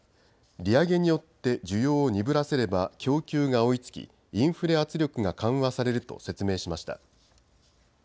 利上げによって需要を鈍らせれば供給が追いつきインフレ圧力が緩和されると説明しました。